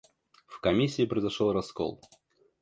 В комиссии произошел раскол.